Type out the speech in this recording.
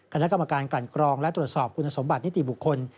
คณะกรรมการกลั่นกรองและตรวจสอบคุณสมบัตินิติบุคคล